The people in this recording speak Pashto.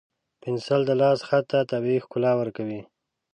پنسل د لاس خط ته طبیعي ښکلا ورکوي.